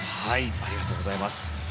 ありがとうございます。